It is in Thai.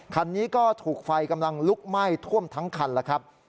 คันนี้ก็ถูกไฟกำลังลุกไหม้ท่วมทั้งคันแล้วครับ